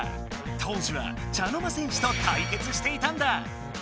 当時は茶の間戦士とたいけつしていたんだ！